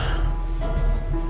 oh duduk sini